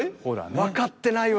わかってないわ。